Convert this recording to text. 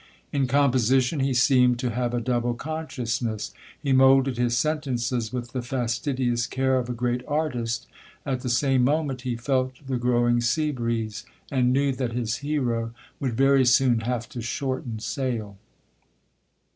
In composition, he seemed to have a double consciousness; he moulded his sentences with the fastidious care of a great artist; at the same moment he felt the growing sea breeze, and knew that his hero would very soon have to shorten sail.